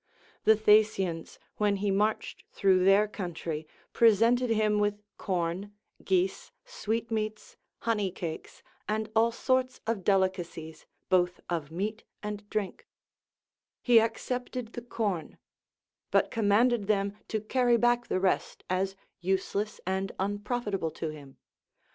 The Thasians, when ho marched through then* country, presented him with corn, geese, sweetmeats, honey cakes, and all sorts of delicacies, both of meat and drink ; he ac cepted the corn, but commanded them to carry back tlie rest, as useless and unprofitable to him.